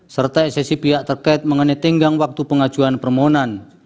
serta eksesi pihak terkait mengenai tenggang waktu pengajuan permohonan